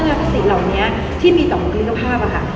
ทศนคตินี้ที่มีกับมุขฤทธิภาพค่ะ